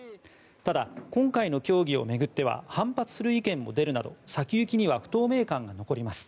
ただ、今回の協議を巡っては反発する意見も出るなど先行きには不透明感が残ります。